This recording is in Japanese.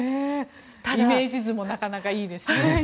イメージ図もなかなかいいですね。